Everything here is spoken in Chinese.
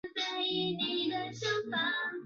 光叶小黑桫椤为桫椤科桫椤属下的一个变种。